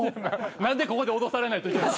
何でここで脅されないといけない。